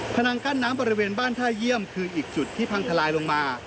นังกั้นน้ำบริเวณบ้านท่าเยี่ยมคืออีกจุดที่พังทลายลงมา